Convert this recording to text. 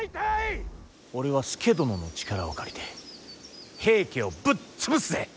俺は佐殿の力を借りて平家をぶっ潰すぜ。